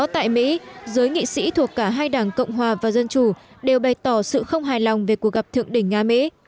tại mỹ giới nghị sĩ thuộc cả hai đảng cộng hòa và dân chủ đều bày tỏ sự không hài lòng về cuộc gặp thượng đỉnh nga mỹ